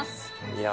いや